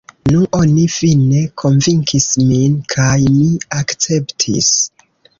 Nu, oni fine konvinkis min, kaj mi akceptis.